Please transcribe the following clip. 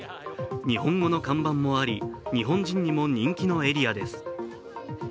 日本語の看板もあり、日本人にも人気のエリアです。